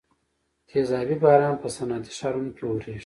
تیزابي باران په صنعتي ښارونو کې اوریږي.